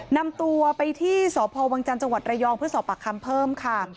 นำตัวไปที่สพวังจันทร์จังหวัดระยองเพื่อสอบปากคำเพิ่มค่ะ